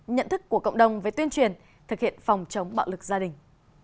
nhận thức của cộng đồng với tuyên truyền thực hiện phòng chống bạo lực gia đình